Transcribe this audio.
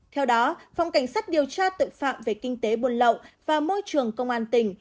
theo đó phòng cảnh sát điều tra tội phạm về kinh tế buôn lậu và môi trường công an tỉnh